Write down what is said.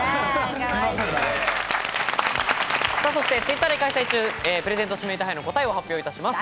そしてＴｗｉｔｔｅｒで開催中、プレゼント指名手配の答えを発表いたします。